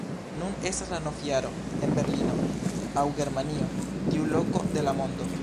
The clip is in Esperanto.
Nun estas la novjaro en Berlino, aŭ Germanio, tiu loko de la mondo